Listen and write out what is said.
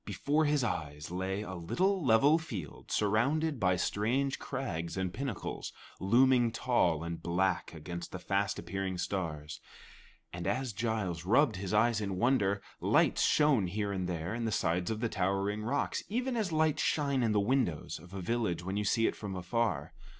Before his eyes lay a little level field surrounded by strange crags and pinnacles, looming tall and black against the fast appearing stars, and as Giles rubbed his eyes in wonder, lights shone here and there in the sides of the towering rocks, even as lights shine in the windows of a village when you see it from afar.